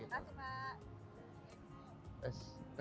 ya makasih pak